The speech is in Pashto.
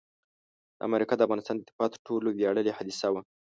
دا معرکه د افغانستان د دفاع تر ټولو ویاړلې حادثه وه.